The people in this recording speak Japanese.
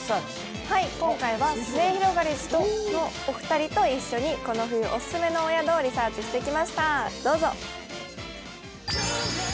今回はすゑひろがりずのお二人と一緒にこの冬オススメのお宿をリサーチしてきました、どうぞ。